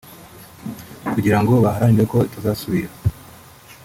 kugira ngo baharanire ko itazasubira